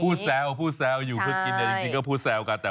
พูดแซวพูดแซวอยู่เพื่อกินเนี่ยจริงก็พูดแซวค่ะ